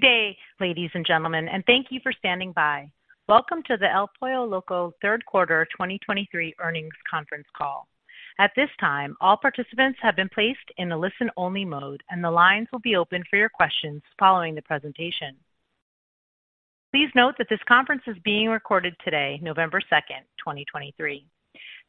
Good day, ladies and gentlemen, and thank you for standing by. Welcome to the El Pollo Loco Third Quarter 2023 Earnings Conference Call. At this time, all participants have been placed in a listen-only mode, and the lines will be open for your questions following the presentation. Please note that this conference is being recorded today, November 2, 2023.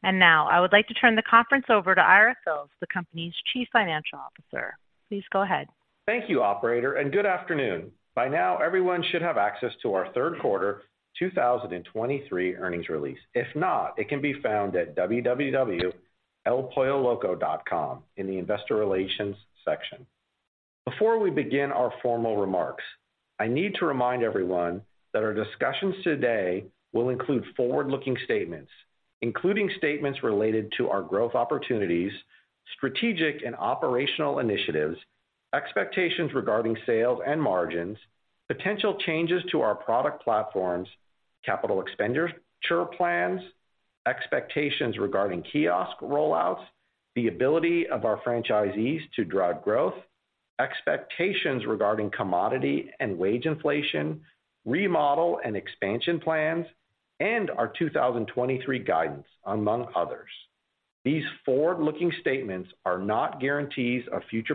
Now I would like to turn the conference over to Ira Fils, the company's Chief Financial Officer. Please go ahead. Thank you, operator, and good afternoon. By now, everyone should have access to our third quarter 2023 earnings release. If not, it can be found at www.elpolloloco.com in the Investor Relations section. Before we begin our formal remarks, I need to remind everyone that our discussions today will include forward-looking statements, including statements related to our growth opportunities, strategic and operational initiatives, expectations regarding sales and margins, potential changes to our product platforms, capital expenditure plans, expectations regarding kiosk rollouts, the ability of our franchisees to drive growth, expectations regarding commodity and wage inflation, remodel and expansion plans, and our 2023 guidance, among others. These forward-looking statements are not guarantees of future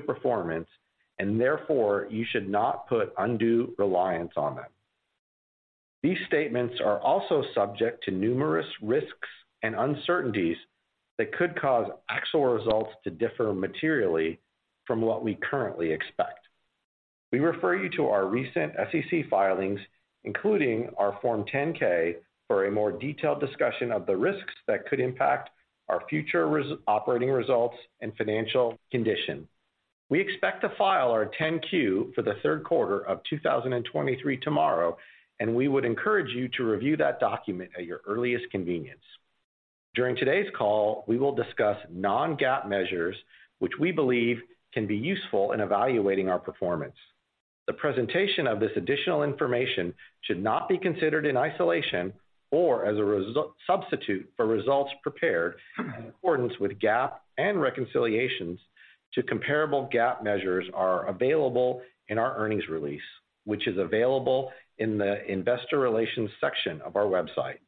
performance, and therefore you should not put undue reliance on them. These statements are also subject to numerous risks and uncertainties that could cause actual results to differ materially from what we currently expect. We refer you to our recent SEC filings, including our Form 10-K, for a more detailed discussion of the risks that could impact our future operating results and financial condition. We expect to file our 10-Q for the third quarter of 2023 tomorrow, and we would encourage you to review that document at your earliest convenience. During today's call, we will discuss non-GAAP measures, which we believe can be useful in evaluating our performance. The presentation of this additional information should not be considered in isolation or as a substitute for results prepared in accordance with GAAP, and reconciliations to comparable GAAP measures are available in our earnings release, which is available in the Investor Relations section of our website.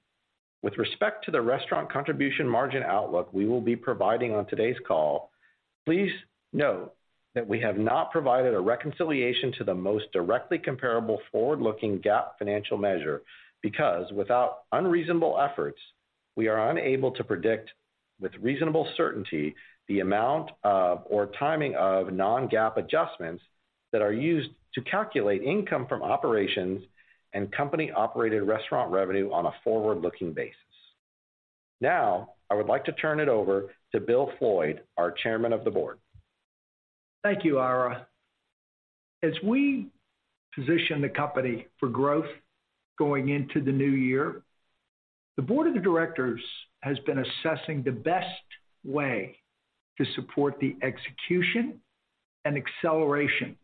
With respect to the restaurant contribution margin outlook we will be providing on today's call, please note that we have not provided a reconciliation to the most directly comparable forward-looking GAAP financial measure because, without unreasonable efforts, we are unable to predict with reasonable certainty the amount of or timing of non-GAAP adjustments that are used to calculate income from operations and company-operated restaurant revenue on a forward-looking basis. Now, I would like to turn it over to Bill Floyd, our Chairman of the Board. Thank you, Ira. As we position the company for growth going into the new year, the board of directors has been assessing the best way to support the execution and acceleration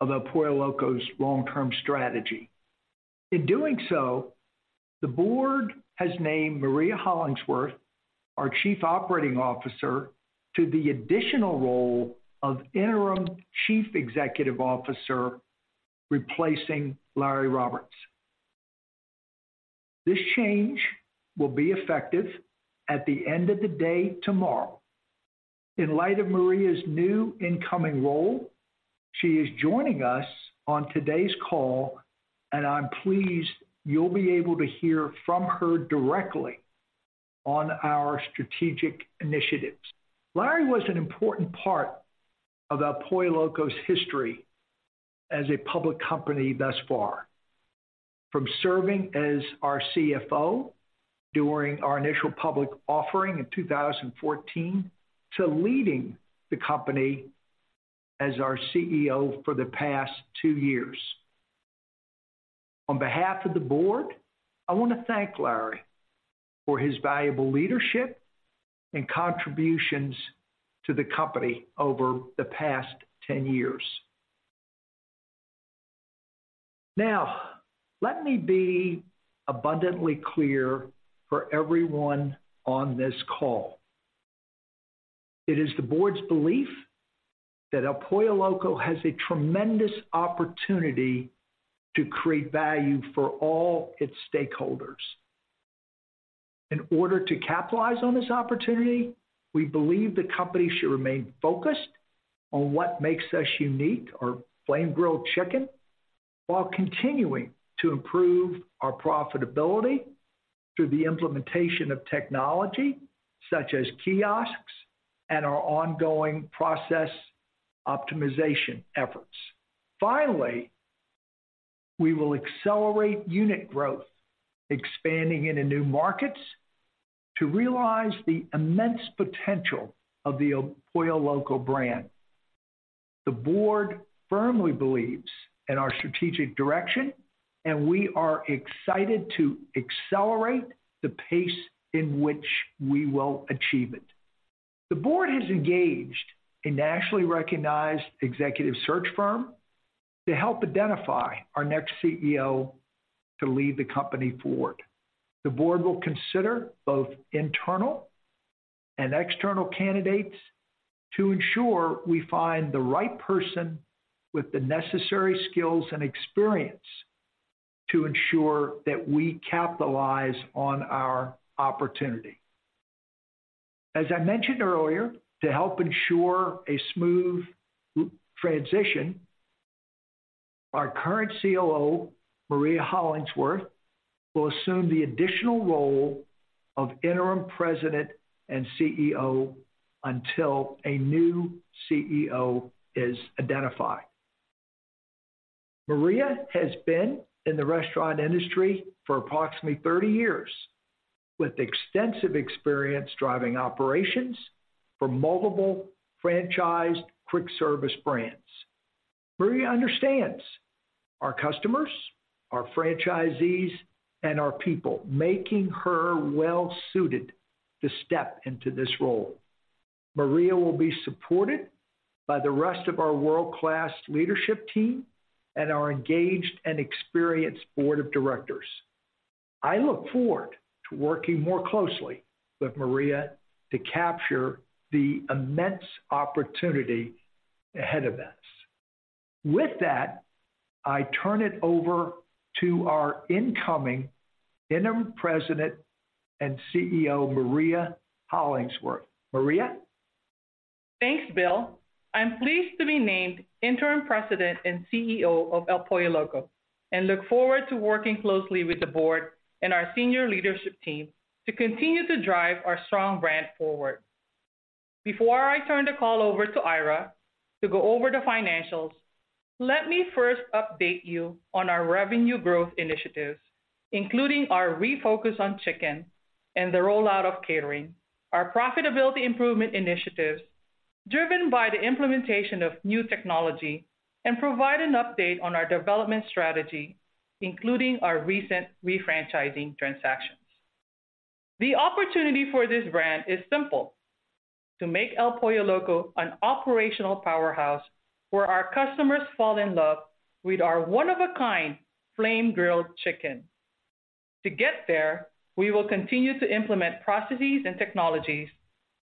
of El Pollo Loco's long-term strategy. In doing so, the board has named Maria Hollandsworth, our Chief Operating Officer, to the additional role of Interim Chief Executive Officer, replacing Larry Roberts. This change will be effective at the end of the day tomorrow. In light of Maria's new incoming role, she is joining us on today's call, and I'm pleased you'll be able to hear from her directly on our strategic initiatives. Larry was an important part of El Pollo Loco's history as a public company thus far, from serving as our CFO during our initial public offering in 2014, to leading the company as our CEO for the past two years. On behalf of the board, I want to thank Larry for his valuable leadership and contributions to the company over the past 10 years. Now, let me be abundantly clear for everyone on this call. It is the board's belief that El Pollo Loco has a tremendous opportunity to create value for all its stakeholders. In order to capitalize on this opportunity, we believe the company should remain focused on what makes us unique, our flame-grilled chicken, while continuing to improve our profitability through the implementation of technology such as kiosks and our ongoing process optimization efforts. Finally, we will accelerate unit growth, expanding into new markets to realize the immense potential of the El Pollo Loco brand. The board firmly believes in our strategic direction, and we are excited to accelerate the pace in which we will achieve it. The board has engaged a nationally recognized executive search firm to help identify our next CEO to lead the company forward. The board will consider both internal and external candidates to ensure we find the right person with the necessary skills and experience to ensure that we capitalize on our opportunity. As I mentioned earlier, to help ensure a smooth transition, our current COO, Maria Hollandsworth, will assume the additional role of Interim President and CEO until a new CEO is identified. Maria has been in the restaurant industry for approximately 30 years, with extensive experience driving operations for multiple franchised quick-service brands. Maria understands our customers, our franchisees, and our people, making her well suited to step into this role. Maria will be supported by the rest of our world-class leadership team and our engaged and experienced board of directors. I look forward to working more closely with Maria to capture the immense opportunity ahead of us. With that, I turn it over to our incoming Interim President and CEO, Maria Hollandsworth. Maria? Thanks, Bill. I'm pleased to be named Interim President and CEO of El Pollo Loco, and look forward to working closely with the board and our senior leadership team to continue to drive our strong brand forward. Before I turn the call over to Ira to go over the financials, let me first update you on our revenue growth initiatives, including our refocus on chicken and the rollout of catering, our profitability improvement initiatives driven by the implementation of new technology, and provide an update on our development strategy, including our recent refranchising transactions. The opportunity for this brand is simple: to make El Pollo Loco an operational powerhouse, where our customers fall in love with our one-of-a-kind flame-grilled chicken. To get there, we will continue to implement processes and technologies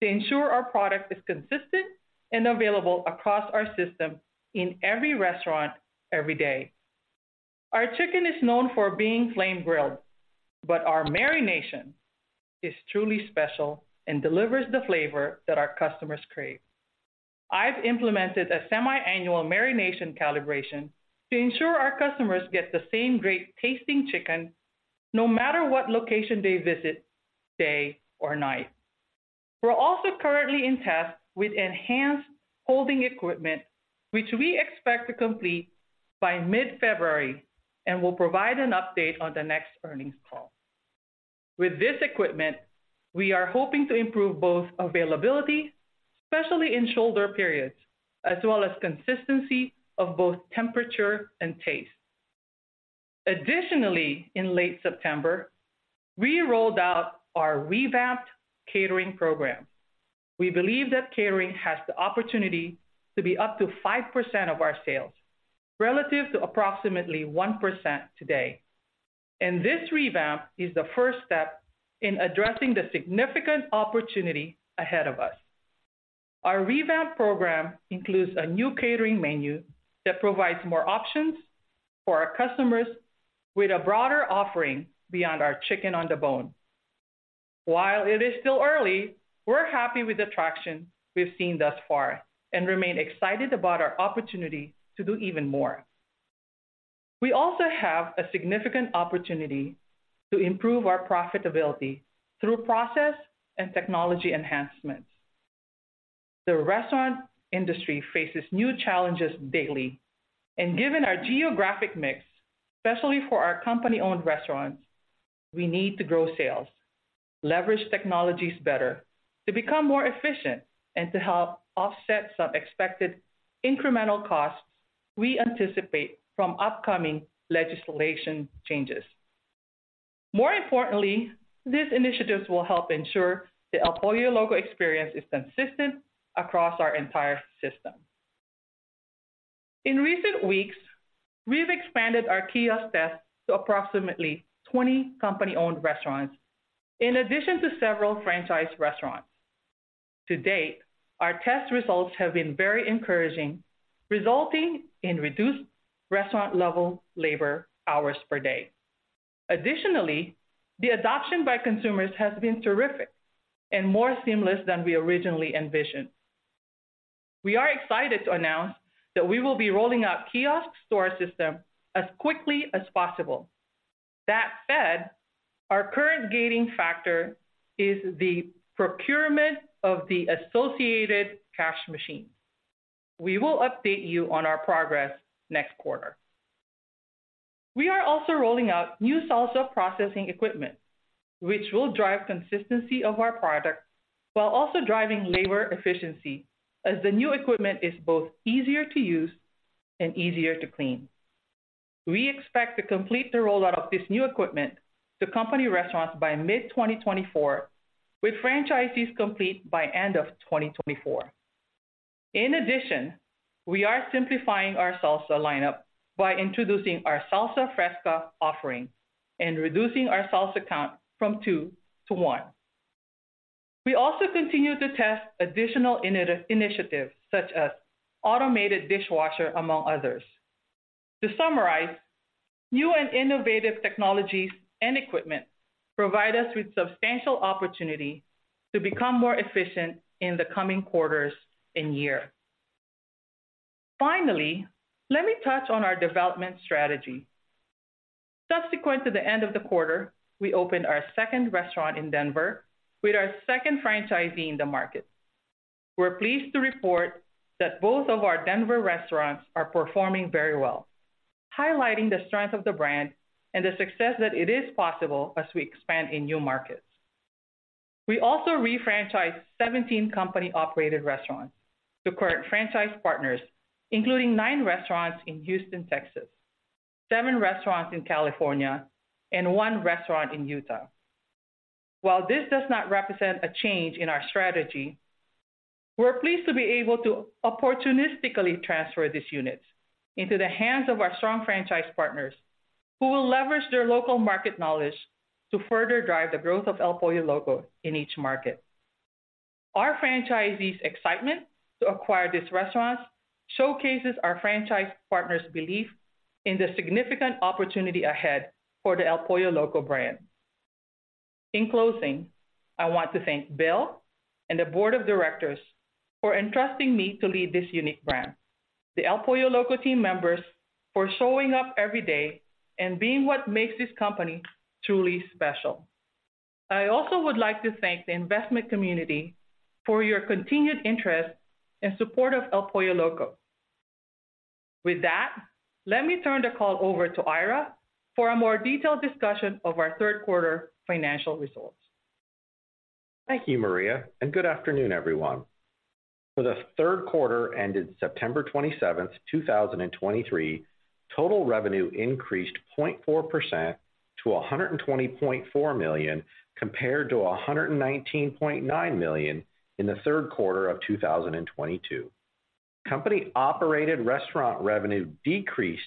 to ensure our product is consistent and available across our system in every restaurant, every day. Our chicken is known for being flame-grilled, but our marination is truly special and delivers the flavor that our customers crave. I've implemented a semi-annual marination calibration to ensure our customers get the same great tasting chicken, no matter what location they visit, day or night. We're also currently in test with enhanced holding equipment, which we expect to complete by mid-February, and we'll provide an update on the next earnings call. With this equipment, we are hoping to improve both availability, especially in shoulder periods, as well as consistency of both temperature and taste. Additionally, in late September, we rolled out our revamped catering program. We believe that catering has the opportunity to be up to 5% of our sales, relative to approximately 1% today, and this revamp is the first step in addressing the significant opportunity ahead of us. Our revamp program includes a new catering menu that provides more options for our customers with a broader offering beyond our chicken on the bone. While it is still early, we're happy with the traction we've seen thus far and remain excited about our opportunity to do even more. We also have a significant opportunity to improve our profitability through process and technology enhancements. The restaurant industry faces new challenges daily, and given our geographic mix, especially for our company-owned restaurants, we need to grow sales, leverage technologies better, to become more efficient, and to help offset some expected incremental costs we anticipate from upcoming legislation changes. More importantly, these initiatives will help ensure the El Pollo Loco experience is consistent across our entire system. In recent weeks, we have expanded our kiosk test to approximately 20 company-owned restaurants, in addition to several franchise restaurants. To date, our test results have been very encouraging, resulting in reduced restaurant-level labor hours per day. Additionally, the adoption by consumers has been terrific and more seamless than we originally envisioned. We are excited to announce that we will be rolling out kiosks to our system as quickly as possible. That said, our current gating factor is the procurement of the associated cash machine. We will update you on our progress next quarter. We are also rolling out new salsa processing equipment, which will drive consistency of our product while also driving labor efficiency, as the new equipment is both easier to use and easier to clean. We expect to complete the rollout of this new equipment to company restaurants by mid-2024, with franchisees complete by end of 2024... In addition, we are simplifying our salsa lineup by introducing our salsa fresca offering and reducing our salsa count from 2 to 1. We also continue to test additional initiatives such as automated dishwasher, among others. To summarize, new and innovative technologies and equipment provide us with substantial opportunity to become more efficient in the coming quarters and year. Finally, let me touch on our development strategy. Subsequent to the end of the quarter, we opened our second restaurant in Denver with our second franchisee in the market. We're pleased to report that both of our Denver restaurants are performing very well, highlighting the strength of the brand and the success that it is possible as we expand in new markets. We also refranchised 17 company-operated restaurants to current franchise partners, including 9 restaurants in Houston, Texas, 7 restaurants in California, and 1 restaurant in Utah. While this does not represent a change in our strategy, we're pleased to be able to opportunistically transfer these units into the hands of our strong franchise partners, who will leverage their local market knowledge to further drive the growth of El Pollo Loco in each market. Our franchisees' excitement to acquire these restaurants showcases our franchise partners' belief in the significant opportunity ahead for the El Pollo Loco brand. In closing, I want to thank Bill and the board of directors for entrusting me to lead this unique brand, the El Pollo Loco team members for showing up every day and being what makes this company truly special. I also would like to thank the investment community for your continued interest and support of El Pollo Loco. With that, let me turn the call over to Ira for a more detailed discussion of our third quarter financial results. Thank you, Maria, and good afternoon, everyone. For the third quarter ended September 27, 2023, total revenue increased 0.4% to $120.4 million, compared to $119.9 million in the third quarter of 2022. Company-operated restaurant revenue decreased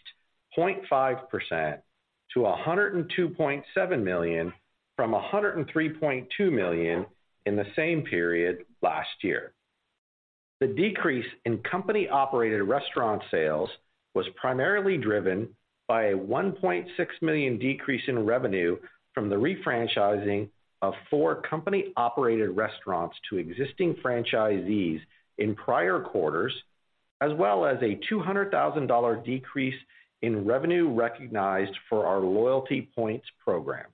0.5% to $102.7 million, from $103.2 million in the same period last year. The decrease in company-operated restaurant sales was primarily driven by a $1.6 million decrease in revenue from the refranchising of four company-operated restaurants to existing franchisees in prior quarters, as well as a $200,000 decrease in revenue recognized for our loyalty points program.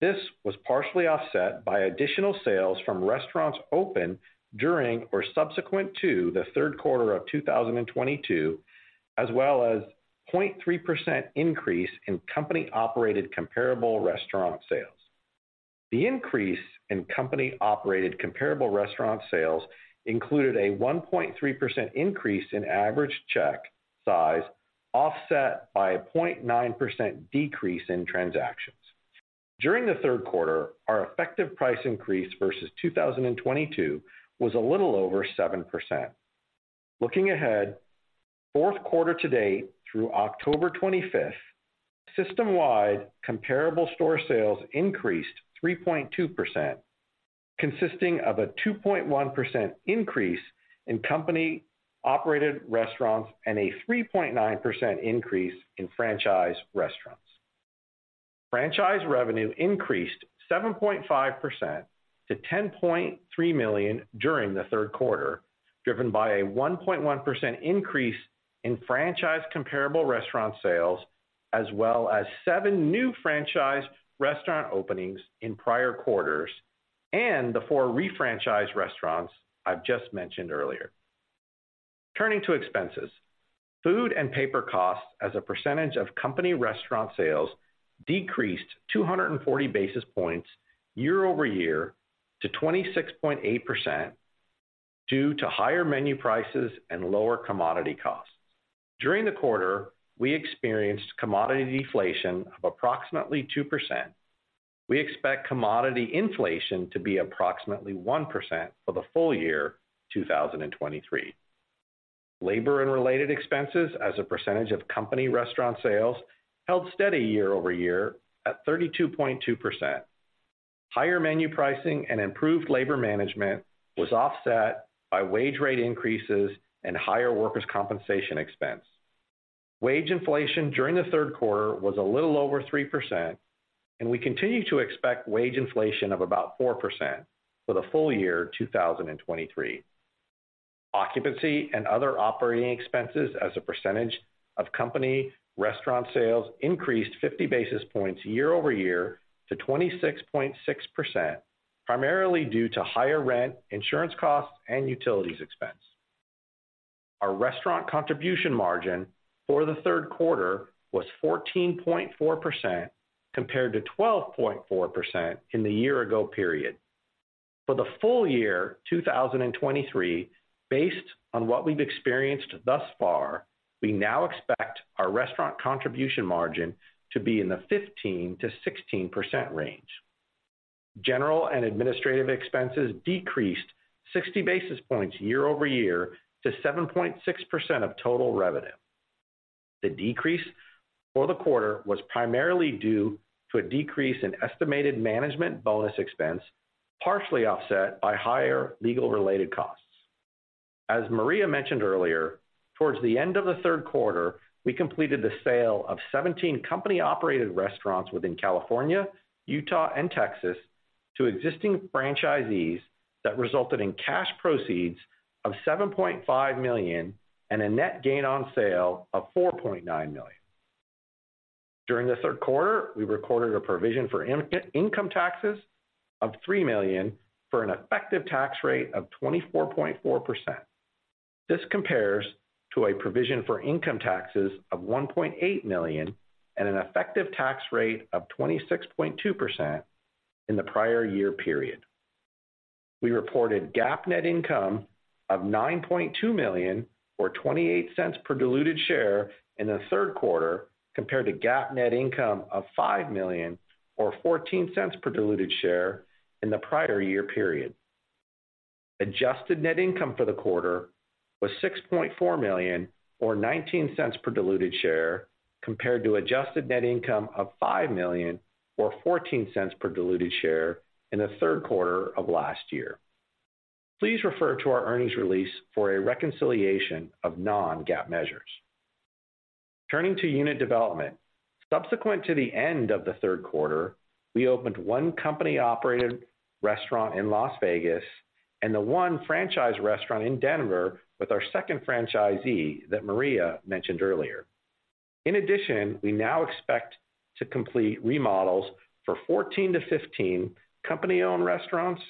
This was partially offset by additional sales from restaurants open during or subsequent to the third quarter of 2022, as well as 0.3% increase in company-operated comparable restaurant sales. The increase in company-operated comparable restaurant sales included a 1.3% increase in average check size, offset by a 0.9% decrease in transactions. During the third quarter, our effective price increase versus 2022 was a little over 7%. Looking ahead, fourth quarter to date through October 25th, system-wide comparable store sales increased 3.2%, consisting of a 2.1% increase in company-operated restaurants and a 3.9% increase in franchise restaurants. Franchise revenue increased 7.5% to $10.3 million during the third quarter, driven by a 1.1% increase in franchise comparable restaurant sales, as well as 7 new franchise restaurant openings in prior quarters, and the 4 refranchised restaurants I've just mentioned earlier. Turning to expenses. Food and paper costs as a percentage of company restaurant sales decreased 240 basis points year-over-year to 26.8%, due to higher menu prices and lower commodity costs. During the quarter, we experienced commodity deflation of approximately 2%. We expect commodity inflation to be approximately 1% for the full year 2023. Labor and related expenses as a percentage of company restaurant sales held steady year-over-year at 32.2%. Higher menu pricing and improved labor management was offset by wage rate increases and higher workers' compensation expense. Wage inflation during the third quarter was a little over 3%, and we continue to expect wage inflation of about 4% for the full year 2023. Occupancy and other operating expenses as a percentage of company restaurant sales increased 50 basis points year-over-year to 26.6%, primarily due to higher rent, insurance costs, and utilities expense. Our restaurant contribution margin for the third quarter was 14.4%, compared to 12.4% in the year ago period. For the full year 2023, based on what we've experienced thus far, we now expect our restaurant contribution margin to be in the 15%-16% range.... General and administrative expenses decreased 60 basis points year-over-year to 7.6% of total revenue. The decrease for the quarter was primarily due to a decrease in estimated management bonus expense, partially offset by higher legal-related costs. As Maria mentioned earlier, towards the end of the third quarter, we completed the sale of 17 company-operated restaurants within California, Utah, and Texas to existing franchisees that resulted in cash proceeds of $7.5 million and a net gain on sale of $4.9 million. During the third quarter, we recorded a provision for income taxes of $3 million, for an effective tax rate of 24.4%. This compares to a provision for income taxes of $1.8 million and an effective tax rate of 26.2% in the prior year period. We reported GAAP net income of $9.2 million, or $0.28 per diluted share in the third quarter, compared to GAAP net income of $5 million or $0.14 per diluted share in the prior year period. Adjusted net income for the quarter was $6.4 million, or $0.19 per diluted share, compared to adjusted net income of $5 million or $0.14 per diluted share in the third quarter of last year. Please refer to our earnings release for a reconciliation of non-GAAP measures. Turning to unit development. Subsequent to the end of the third quarter, we opened one company-operated restaurant in Las Vegas and the one franchise restaurant in Denver with our second franchisee that Maria mentioned earlier. In addition, we now expect to complete remodels for 14-15 company-owned restaurants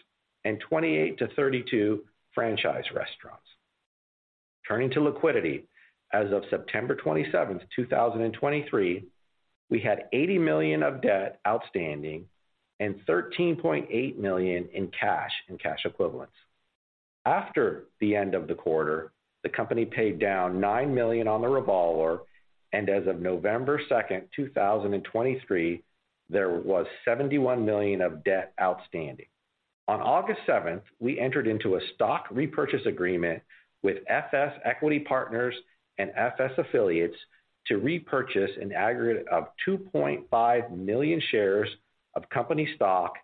and 28-32 franchise restaurants. Turning to liquidity. As of September 27, 2023, we had $80 million of debt outstanding and $13.8 million in cash and cash equivalents. After the end of the quarter, the company paid down $9 million on the revolver, and as of November 2, 2023, there was $71 million of debt outstanding. On August 7, we entered into a stock repurchase agreement with FS Equity Partners and FS Affiliates to repurchase an aggregate of 2.5 million shares of company stock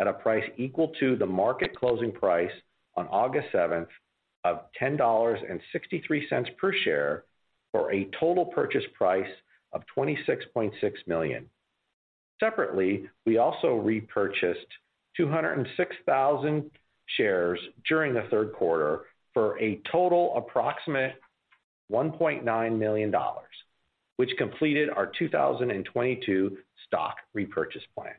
at a price equal to the market closing price on August 7 of $10.63 per share, for a total purchase price of $26.6 million. Separately, we also repurchased 206,000 shares during the third quarter for a total approximate $1.9 million, which completed our 2022 stock repurchase plan.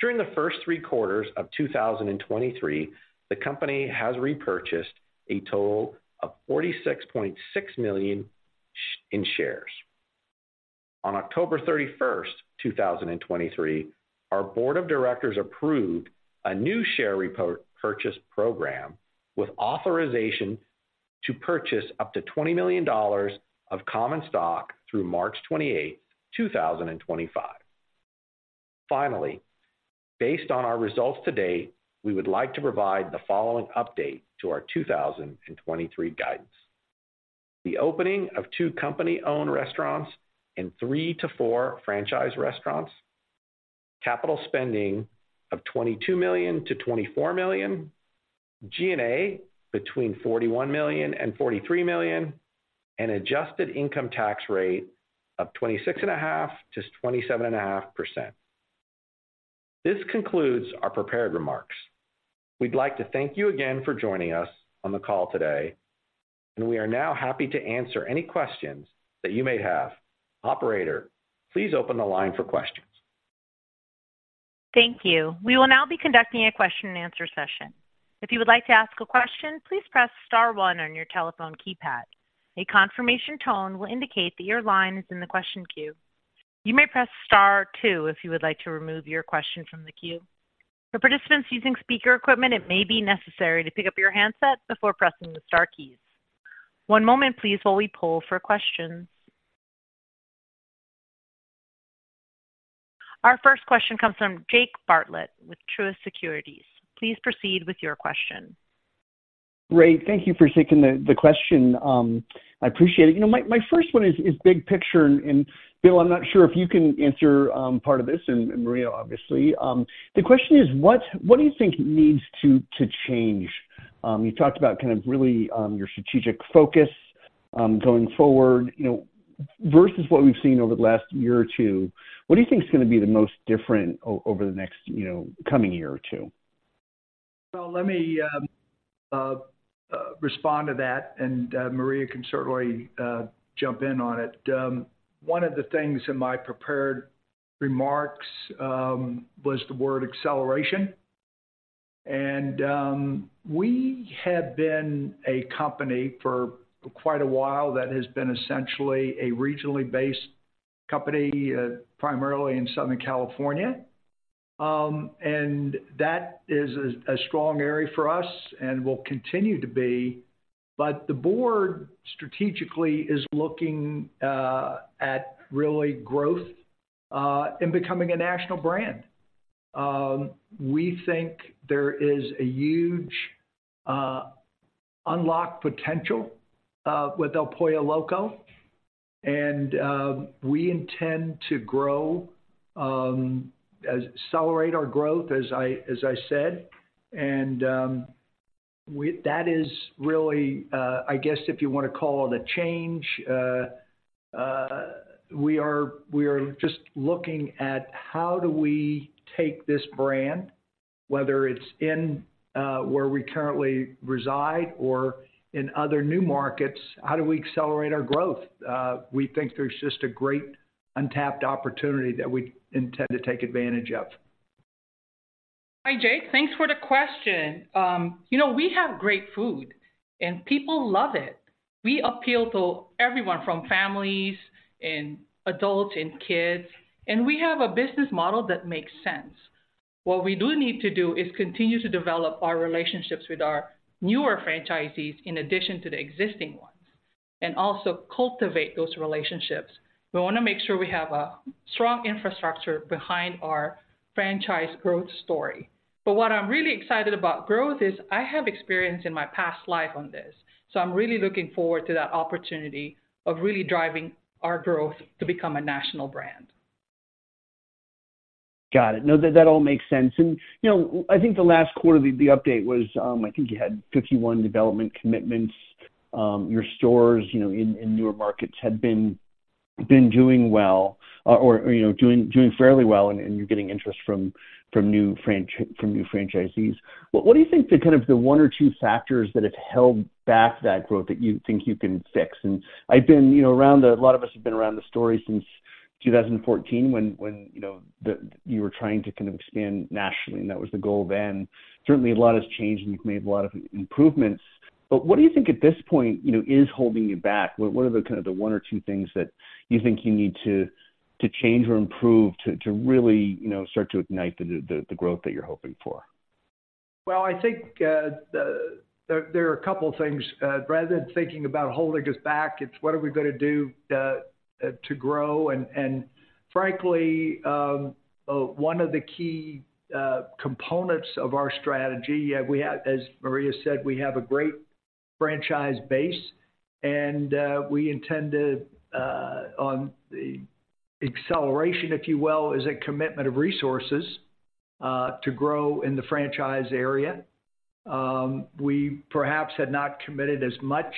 During the first 3 quarters of 2023, the company has repurchased a total of 46.6 million in shares. On October 31, 2023, our board of directors approved a new share purchase program with authorization to purchase up to $20 million of common stock through March 28, 2025. Finally, based on our results to date, we would like to provide the following update to our 2023 guidance: The opening of 2 company-owned restaurants and 3-4 franchise restaurants, capital spending of $22 million-$24 million, G&A between $41 million and $43 million, and adjusted income tax rate of 26.5%-27.5%. This concludes our prepared remarks. We'd like to thank you again for joining us on the call today, and we are now happy to answer any questions that you may have. Operator, please open the line for questions. Thank you. We will now be conducting a question and answer session. If you would like to ask a question, please press star one on your telephone keypad. A confirmation tone will indicate that your line is in the question queue. You may press star two if you would like to remove your question from the queue. For participants using speaker equipment, it may be necessary to pick up your handset before pressing the star keys. One moment please, while we poll for questions. Our first question comes from Jake Bartlett with Truist Securities. Please proceed with your question. Great. Thank you for taking the, the question. I appreciate it. You know, my, my first one is, is big picture, and, and, Bill, I'm not sure if you can answer, part of this, and, and Maria, obviously. The question is: What, what do you think needs to, to change? You talked about kind of really, your strategic focus, going forward. You know, versus what we've seen over the last year or two, what do you think is going to be the most different over the next, you know, coming year or two? Well, let me respond to that, and Maria can certainly jump in on it. One of the things in my prepared remarks was the word acceleration. We have been a company for quite a while that has been essentially a regionally based company, primarily in Southern California. That is a strong area for us and will continue to be.... But the board strategically is looking at really growth and becoming a national brand. We think there is a huge unlocked potential with El Pollo Loco, and we intend to grow as-- accelerate our growth, as I said, and that is really, I guess if you want to call it a change, we are just looking at how do we take this brand, whether it's in where we currently reside or in other new markets, how do we accelerate our growth? We think there's just a great untapped opportunity that we intend to take advantage of. Hi, Jake. Thanks for the question. You know, we have great food, and people love it. We appeal to everyone, from families and adults and kids, and we have a business model that makes sense. What we do need to do is continue to develop our relationships with our newer franchisees, in addition to the existing ones, and also cultivate those relationships. We want to make sure we have a strong infrastructure behind our franchise growth story. But what I'm really excited about growth is I have experience in my past life on this, so I'm really looking forward to that opportunity of really driving our growth to become a national brand. Got it. No, that all makes sense. And, you know, I think the last quarter, the update was, I think you had 51 development commitments. Your stores, you know, in newer markets had been doing well or, you know, doing fairly well, and you're getting interest from new franchisees. What do you think the kind of the one or two factors that have held back that growth that you think you can fix? And I've been, you know, around the story. A lot of us have been around the story since 2014, when, you know, you were trying to kind of expand nationally, and that was the goal then. Certainly, a lot has changed, and you've made a lot of improvements. But what do you think at this point, you know, is holding you back? What are the kind of one or two things that you think you need to change or improve to really, you know, start to ignite the growth that you're hoping for? Well, I think there are a couple of things. Rather than thinking about holding us back, it's what are we going to do to grow. And frankly, one of the key components of our strategy, as Maria said, we have a great franchise base, and we intend to, on the acceleration, if you will, is a commitment of resources to grow in the franchise area. We perhaps had not committed as much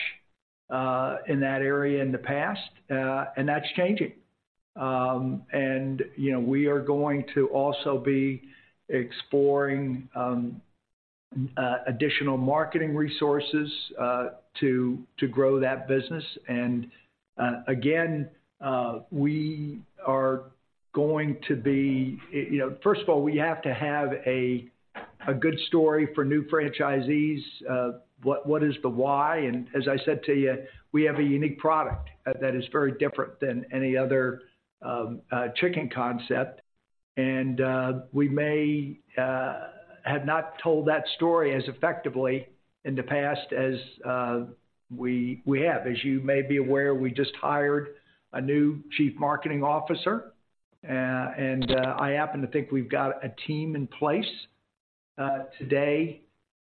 in that area in the past, and that's changing. And, you know, we are going to also be exploring additional marketing resources to grow that business. And again, we are going to be... You know, first of all, we have to have a good story for new franchisees. What is the why? As I said to you, we have a unique product that is very different than any other chicken concept, and we may have not told that story as effectively in the past as we have. As you may be aware, we just hired a new Chief Marketing Officer, and I happen to think we've got a team in place today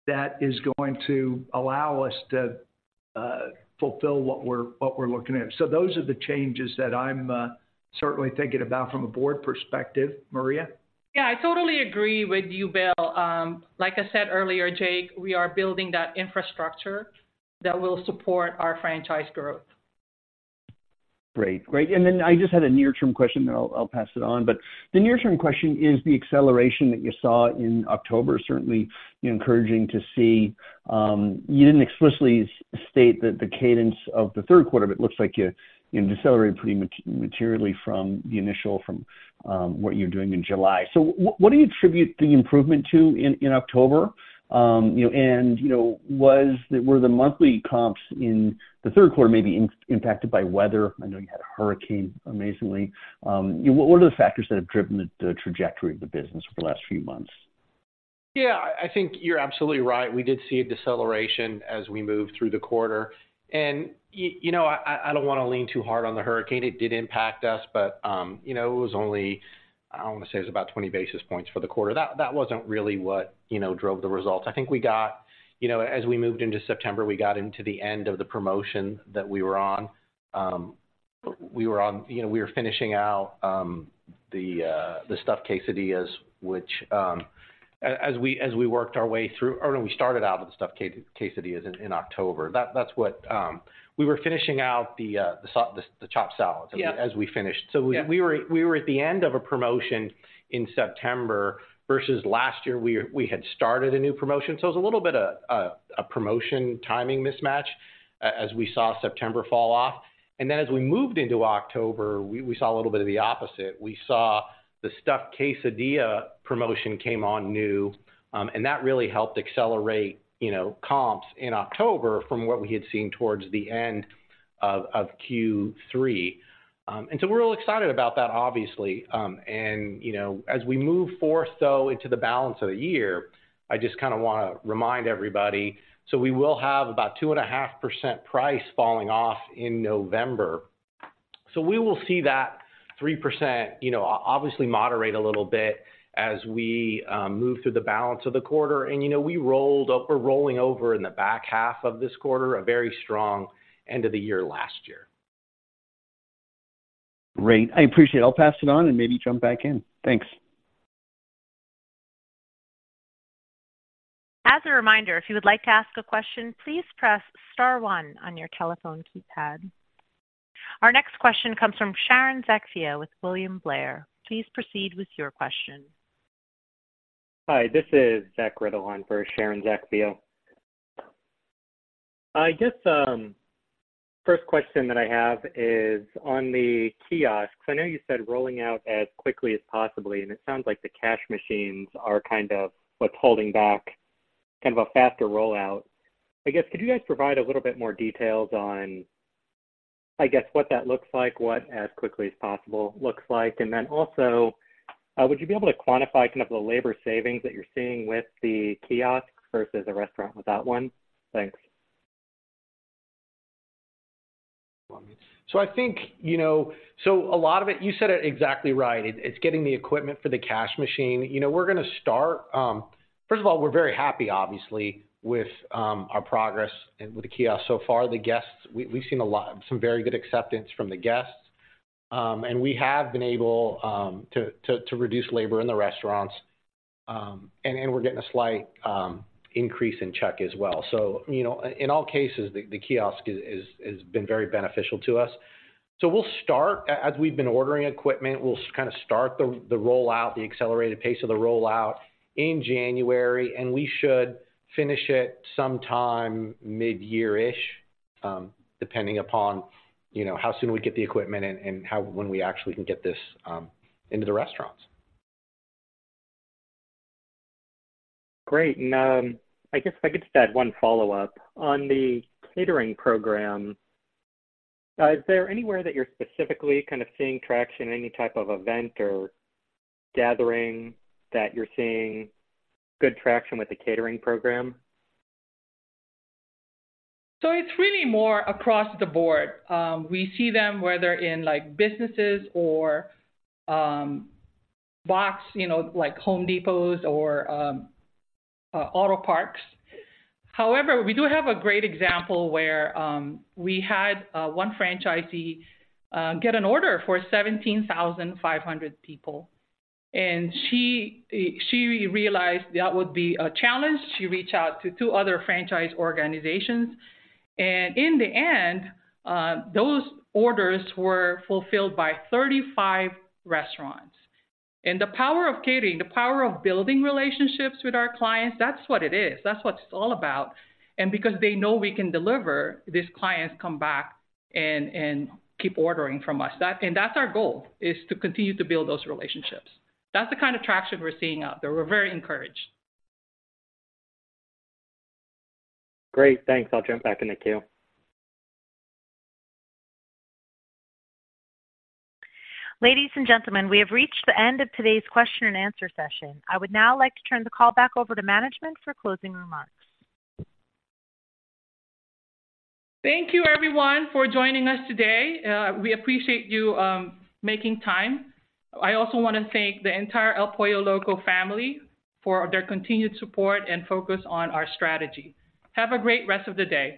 that is going to allow us to fulfill what we're looking at. So those are the changes that I'm certainly thinking about from a board perspective. Maria? Yeah, I totally agree with you, Bill. Like I said earlier, Jake, we are building that infrastructure that will support our franchise growth. Great. Great. Then I just had a near-term question, then I'll pass it on. But the near-term question is the acceleration that you saw in October, certainly encouraging to see. You didn't explicitly state that the cadence of the third quarter, but it looks like you decelerated pretty materially from what you were doing in July. So what do you attribute the improvement to in October? You know, and, you know, were the monthly comps in the third quarter maybe impacted by weather? I know you had a hurricane, amazingly. What are the factors that have driven the trajectory of the business for the last few months? Yeah, I think you're absolutely right. We did see a deceleration as we moved through the quarter. And you know, I don't want to lean too hard on the hurricane. It did impact us, but, you know, it was only, I want to say it was about 20 basis points for the quarter. That wasn't really what, you know, drove the results. I think we got, you know, as we moved into September, we got into the end of the promotion that we were on. We were on... You know, we were finishing out the stuffed quesadillas, which, as we worked our way through- or no, we started out with the stuffed quesadillas in October. That's what we were finishing out the chopped salads- Yeah. as we finished. Yeah. So we were at the end of a promotion in September, versus last year, we had started a new promotion. So it was a little bit of a promotion timing mismatch as we saw September fall off. And then as we moved into October, we saw a little bit of the opposite. We saw the stuffed quesadilla promotion came on new, and that really helped accelerate, you know, comps in October from what we had seen towards the end of Q3. And so we're really excited about that, obviously. And, you know, as we move forth, though, into the balance of the year, I just kinda wanna remind everybody. So we will have about 2.5% price falling off in November. So we will see that 3%, you know, obviously moderate a little bit as we move through the balance of the quarter. And, you know, we rolled up--we're rolling over in the back half of this quarter, a very strong end of the year, last year. Great. I appreciate it. I'll pass it on and maybe jump back in. Thanks. As a reminder, if you would like to ask a question, please press star one on your telephone keypad. Our next question comes from Sharon Zackfia with William Blair. Please proceed with your question. Hi, this is Zach Ridderlein for Sharon Zackfia. I guess, first question that I have is on the kiosks. I know you said rolling out as quickly as possibly, and it sounds like the cash machines are kind of what's holding back kind of a faster rollout. I guess, could you guys provide a little bit more details on, I guess, what that looks like, what as quickly as possible looks like? And then also, would you be able to quantify kind of the labor savings that you're seeing with the kiosk versus a restaurant without one? Thanks. So I think, you know, so a lot of it, you said it exactly right. It's getting the equipment for the cash machine. You know, we're gonna start. First of all, we're very happy, obviously, with our progress and with the kiosk. So far, the guests, we've seen a lot, some very good acceptance from the guests. And we have been able to reduce labor in the restaurants, and we're getting a slight increase in check as well. So, you know, in all cases, the kiosk has been very beneficial to us. So we'll start, as we've been ordering equipment, we'll kind of start the rollout, the accelerated pace of the rollout in January, and we should finish it sometime midyear-ish, depending upon, you know, how soon we get the equipment and how, when we actually can get this into the restaurants. Great. And, I guess if I could just add one follow-up. On the catering program, is there anywhere that you're specifically kind of seeing traction, any type of event or gathering that you're seeing good traction with the catering program? So it's really more across the board. We see them whether in, like, businesses or, box, you know, like Home Depots or, auto parks. However, we do have a great example where we had one franchisee get an order for 17,500 people, and she she realized that would be a challenge. She reached out to two other franchise organizations, and in the end, those orders were fulfilled by 35 restaurants. The power of catering, the power of building relationships with our clients, that's what it is. That's what it's all about. Because they know we can deliver, these clients come back and, and keep ordering from us. That and that's our goal, is to continue to build those relationships. That's the kind of traction we're seeing out there. We're very encouraged. Great, thanks. I'll jump back in the queue. Ladies and gentlemen, we have reached the end of today's question and answer session. I would now like to turn the call back over to management for closing remarks. Thank you, everyone, for joining us today. We appreciate you making time. I also wanna thank the entire El Pollo Loco family for their continued support and focus on our strategy. Have a great rest of the day.